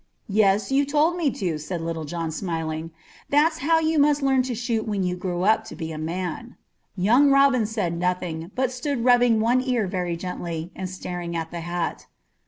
"Yes, you told me to," said Little John, smiling. "That's how you must learn to shoot when you grow up to be a man." Young Robin said nothing, but stood rubbing one ear very gently, and staring at the hat.